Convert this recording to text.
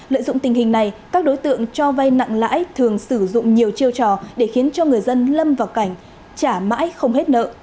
lợi dụng tình hình này các đối tượng cho vay nặng lãi thường sử dụng nhiều chiêu trò để khiến cho người dân lâm vào cảnh trả mãi không hết nợ